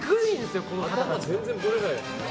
全然ぶれない。